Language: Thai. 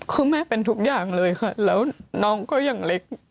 คือแม่เป็นทุกอย่างเลยค่ะแล้วน้องก็ยังเล็ก